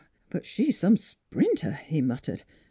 but she's some sprinter !" he mut tered.